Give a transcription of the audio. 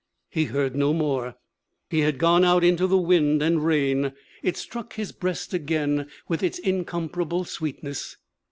He heard no more. He had gone out into the wind and rain. It struck his breast again with its incomparable sweetness.